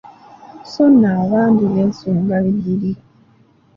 Sso nno abandi beesunga biddirira.